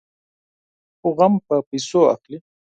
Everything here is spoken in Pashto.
خو غم په پيسو اخلي.